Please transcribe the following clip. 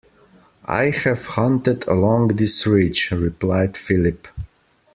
I have hunted along this ridge, replied Philip.